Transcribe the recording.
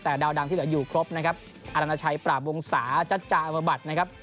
แต่ดาวดังที่เหลืออยู่ครบนะครับอรณชัยปราบวงศาจัจจาอมบัตรนะครับ